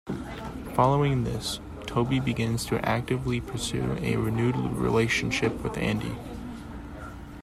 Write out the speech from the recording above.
Following this, Toby begins to actively pursue a renewed relationship with Andy.